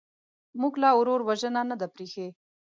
موږ لا ورور وژنه نه ده پرېښې.